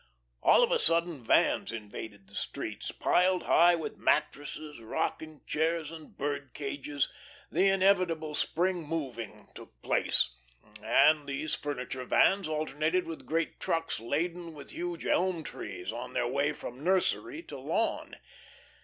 All of a sudden vans invaded the streets, piled high with mattresses, rocking chairs, and bird cages; the inevitable "spring moving" took place. And these furniture vans alternated with great trucks laden with huge elm trees on their way from nursery to lawn.